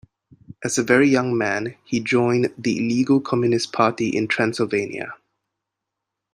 As a very young man, he joined the illegal Communist Party in Transylvania.